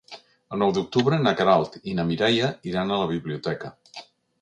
El nou d'octubre na Queralt i na Mireia iran a la biblioteca.